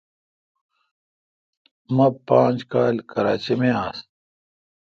می پانج کال کراچی می آس۔